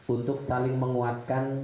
untuk saling menguatkan